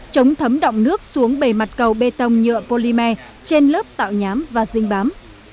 chống thấm động nước xuống bề mặt cầu bê tông nhựa polymer trên lớp tạo nhám và dính bám